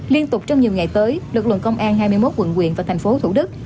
liên tục trong nhiều ngày tới lực lượng công an hai mươi một quận quyện và thành phố thủ đức